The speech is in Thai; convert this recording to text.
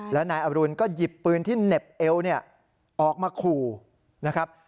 แล้วนายอรุณก็หยิบปืนที่เหน็บเอวเนี่ยออกมาขู่นะครับ